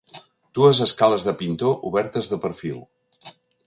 Dues escales de pintor obertes de perfil.